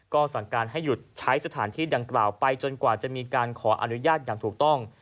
ก็สั่งการให้หยุดใช้สถานที่ดังกล่าวไปจนกว่าจะมีการขออนุญาตอย่างถูกต้อง